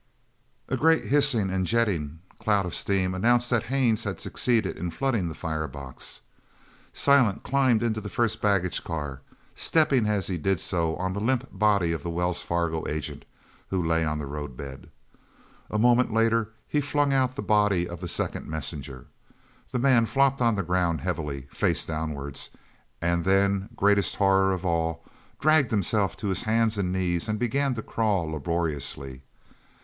A great hissing and a jetting cloud of steam announced that Haines had succeeded in flooding the fire box. Silent climbed into the first baggage car, stepping, as he did so, on the limp body of the Wells Fargo agent, who lay on the road bed. A moment later he flung out the body of the second messenger. The man flopped on the ground heavily, face downwards, and then greatest horror of all! dragged himself to his hands and knees and began to crawl laboriously.